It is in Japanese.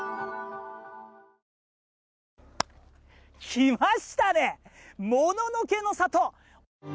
来ましたね、もののけの里！